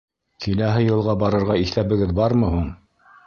— Киләһе йылға барырға иҫәбегеҙ бармы һуң?